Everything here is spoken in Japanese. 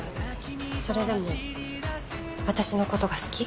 それでも私の事が好き？